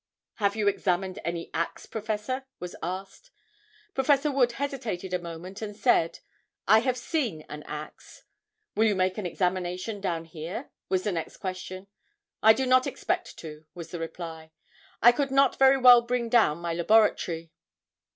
"Have you examined any axe, Professor?" was asked. Prof. Wood hesitated a moment, and said: "I have seen an axe." "Will you make an examination down here?" was the next question. "I do not expect to," was the reply. "I could not very well bring down my laboratory."